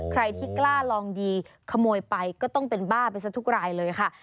ใครที่กล้าลองดีขโมยไปก็ต้องเป็นบ้าไปซะทุกรายเลยค่ะ